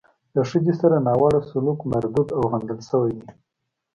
له ښځې سره ناوړه سلوک مردود او غندل شوی دی.